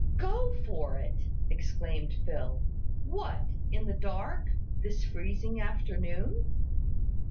"Go for it!" exclaimed Phil. "What, in the dark, this freezing afternoon?"